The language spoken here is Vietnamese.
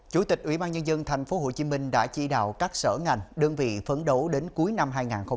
chủ tịch ủy ban nhân dân tp hcm đã chỉ đạo các sở ngành đơn vị phấn đấu đến cuối năm hai nghìn hai mươi